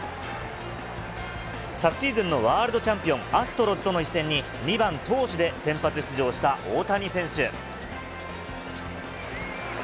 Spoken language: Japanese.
昨シーズンのワールドチャンピオン、アストロズとの一戦に、２番投手で先発出場した大谷選手。